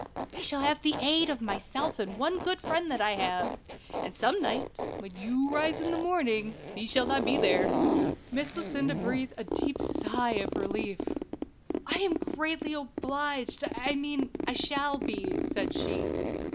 I shall have the aid of myself and one good friend that I have; and some night, when you rise of the morning, he shall not be there." Miss Lucinda breathed a deep sigh of relief. "I am greatly obliged I mean, I shall be," said she.